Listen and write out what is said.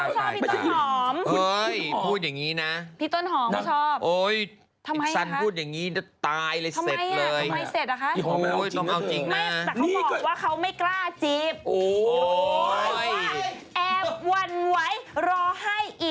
น้องสันประชากรนี่สเปคพี่